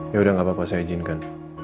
ya udah gak apa apa saya izinkan